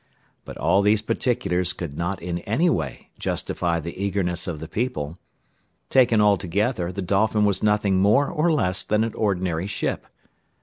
But all these particulars could not in any way justify the eagerness of the people: taken altogether, the Dolphin was nothing more or less than an ordinary ship.